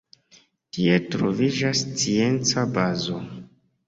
Tie troviĝas scienca bazo.